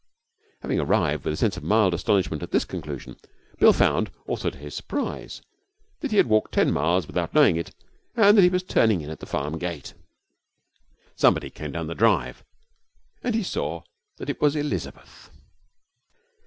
Having arrived with a sense of mild astonishment at this conclusion, Bill found, also to his surprise, that he had walked ten miles without knowing it and that he was turning in at the farm gate. Somebody came down the drive, and he saw that it was Elizabeth.